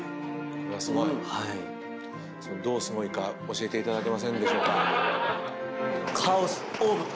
これはすごい？どうすごいか教えていただけませんでしょうか。